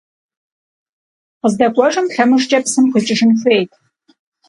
КъыздэкӀуэжым лъэмыжкӀэ псым къикӀыжын хуейт.